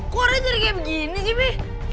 kok warnanya jadi kayak begini sih bi